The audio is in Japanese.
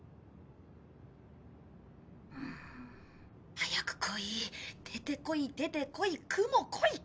早く来い出てこい出てこい雲来い来い！